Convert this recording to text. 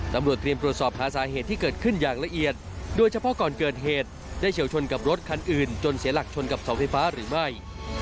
ตำรวจเตรียมตรวจสอบหาสาเหตุที่เกิดขึ้นอย่างละเอียดโดยเฉพาะก่อนเกิดเหตุได้เฉียวชนกับรถคันอื่นจนเสียหลักชนกับเสาไฟฟ้าหรือไม่